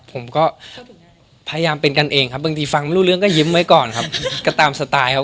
ผมก็พยายามเป็นกันเองครับบางทีฟังไม่รู้เรื่องก็ยิ้มไว้ก่อนครับก็ตามสไตล์ครับ